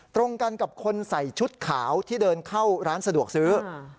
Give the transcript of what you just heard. ตรงกันกับคนใส่ชุดขาวที่เดินเข้าร้านสะดวกซื้อ